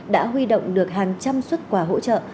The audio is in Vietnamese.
đã huy động được hàng trăm xuất quà hỗ trợ